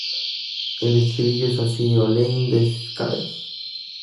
El estribillo es así: "Hole in the sky!